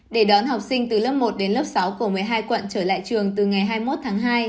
để đón học sinh từ lớp một đến lớp sáu của một mươi hai quận trở lại trường từ ngày hai mươi một tháng hai